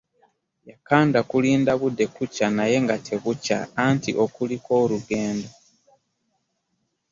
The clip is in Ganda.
Yakanda kulinda budde kukya naye nga tebukya anti oluliko olugendo!.